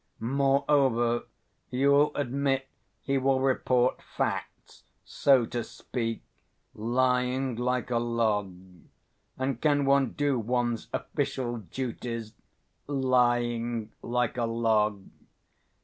Moreover, you will admit he will report facts, so to speak, lying like a log. And, can one do one's official duties lying like a log?